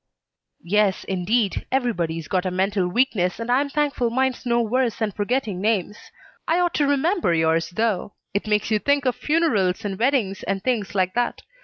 "Yes, indeed, everybody's got a mental weakness, and I'm thankful mine's no worse than forgetting names. I ought to remember yours, though. It makes you think of funerals and weddings and things like that.